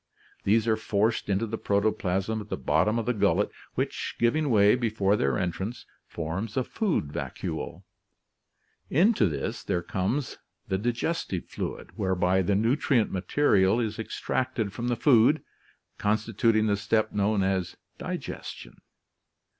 These are forced into the protoplasm at the bottom of the gullet which, giving way before their entrance, forms a food vacuole. Into this there comes the digestive fluid whereby the nutrient material is extracted from the food, consti tuting the step known as digestion.